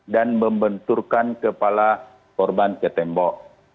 dan membenturkan kepala korban ke tembok